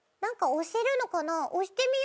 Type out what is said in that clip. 押してみよう！